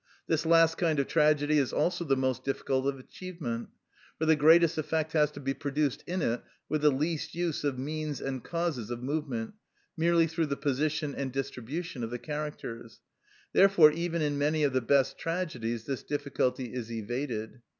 This last kind of tragedy is also the most difficult of achievement; for the greatest effect has to be produced in it with the least use of means and causes of movement, merely through the position and distribution of the characters; therefore even in many of the best tragedies this difficulty is evaded.